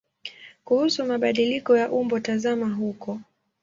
Kuhusu mabadiliko ya umbo tazama huko.